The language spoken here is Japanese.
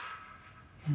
うん。